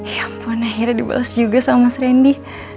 ya ampun akhirnya dibalas juga sama mas randy